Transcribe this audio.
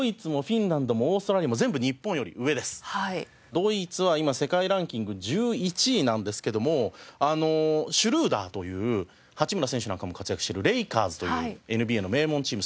ドイツは今世界ランキング１１位なんですけどもあのシュルーダーという八村選手なんかも活躍しているレイカーズというＮＢＡの名門チーム。